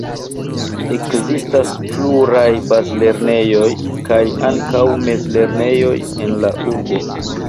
Ekzistas pluraj bazlernejoj kaj ankaŭ mezlernejoj en la urbo.